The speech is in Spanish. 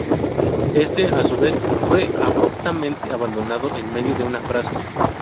Éste, a su vez, fue abruptamente abandonado en medio de una frase.